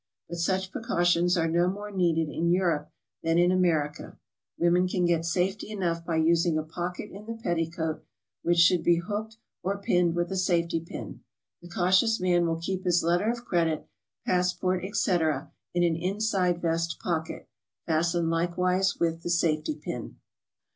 But such precautions are no more needed in Europe than in America. Women can get safety enough by using a pocket GOING ABROAD? T92 in the petticoat, which should be hooked, or pinned with a safety pin. The cautious man will keep his letter of credit, passport, etc., in an inside vest pocket, fastened likewise with the safety pin.